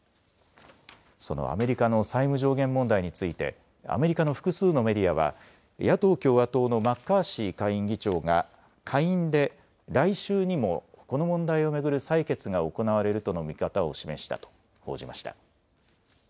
そのアメリカの債務上限問題について、アメリカの複数のメディアは、野党・共和党のマッカーシー下院議長が、下院で来週にもこの問題を巡る採決が行われるとの見方を示したと報じました。